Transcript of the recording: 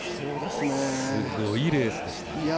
すごいレースでした。